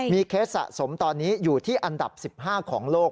เคสสะสมตอนนี้อยู่ที่อันดับ๑๕ของโลก